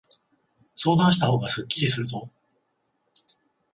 相談したほうがすっきりするぞ。